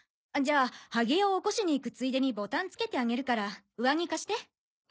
じゃあ萩江を起こしに行くついでにボタン付けてあげるから上着貸して。